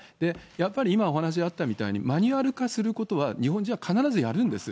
やっぱり今お話あったみたいに、マニュアル化することは、日本人は必ずやるんです。